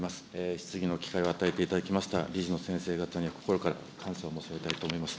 質疑の機会を与えていただきました理事の先生方に心から感謝を申し上げたいと思います。